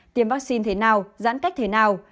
tiếm vaccine thế nào giãn cách thế nào